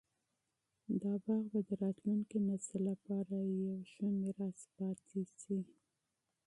دا باغ به د راتلونکي نسل لپاره یو ښه میراث پاتې شي.